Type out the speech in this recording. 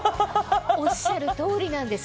おっしゃる通りなんです。